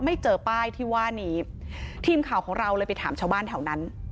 ไม่เจอป้ายที่ว่านี้ทีมข่าวของเราเลยไปถามชาวบ้านแถวนั้น